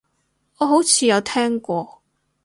我好似有聽過